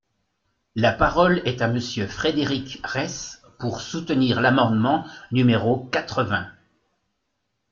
La parole est à Monsieur Frédéric Reiss, pour soutenir l’amendement numéro quatre-vingts.